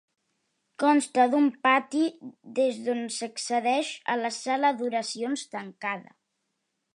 Consta d'un pati des d'on s'accedeix a la sala d'oracions, tancada.